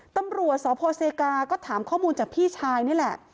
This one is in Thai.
ตำรวจสพเซกาก็ถามข้อมูลจากพี่ชายนี่แหละ